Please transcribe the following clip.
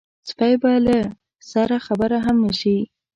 سپۍ به له سره خبره هم نه شي.